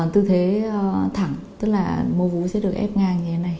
tư thế thẳng tức là mô vú sẽ được ép ngang như thế này